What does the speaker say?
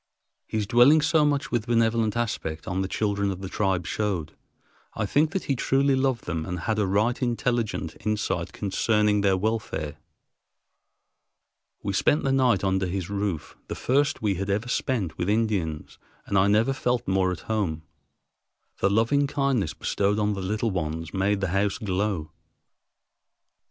His dwelling so much with benevolent aspect on the children of the tribe showed, I think, that he truly loved them and had a right intelligent insight concerning their welfare. We spent the night under his roof, the first we had ever spent with Indians, and I never felt more at home. The loving kindness bestowed on the little ones made the house glow.